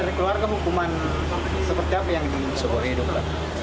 dari keluarga hukuman seperti apa yang dihidupkan